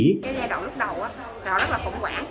cái giai đoạn lúc đầu rất là khủng hoảng